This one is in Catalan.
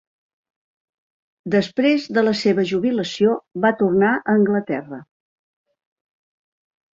Després de la seva jubilació va tornar a Anglaterra.